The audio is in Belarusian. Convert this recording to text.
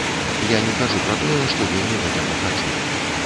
Я не кажу пра тое, што вельмі гэтага хачу.